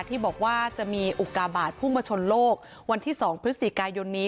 ที่บอกว่าจะมีอุกาบาทพุ่งมาชนโลกวันที่๒พฤศจิกายนนี้